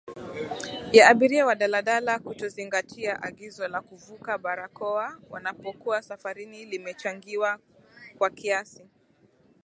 ya abiria wa daladala kutozingatia agizo la kuvaa barakoa wanapokuwa safarini limechangiwa kwa kiasi